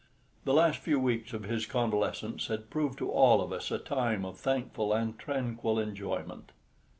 The last few weeks of his convalescence had proved to all of us a time of thankful and tranquil enjoyment.